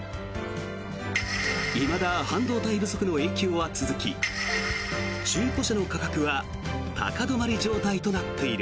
いまだ半導体不足の影響は続き中古車の価格は高止まり状態となっている。